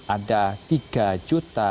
ada tiga juta